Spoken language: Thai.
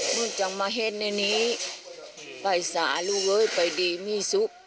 มึงจะมาเห็นในนี้ไปสาลูกเว้ยไปดีมีสุข